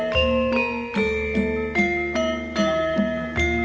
belum saja bisa dikira kira